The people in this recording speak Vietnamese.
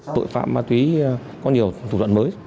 tội phạm ma túy có nhiều thủ đoạn mới